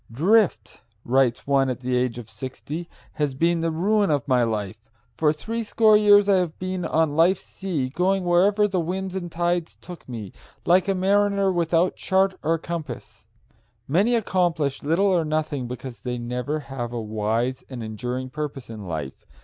"Drift," writes one at the age of sixty, "has been the ruin of my life. For threescore years I have been on life's sea, going wherever the winds and tides took me, like a mariner without chart or compass." Many accomplish little or nothing because they never have a wise and enduring purpose in life.